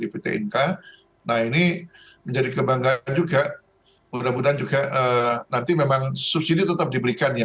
di pt inka nah ini menjadi kebanggaan juga mudah mudahan juga nanti memang subsidi tetap diberikan ya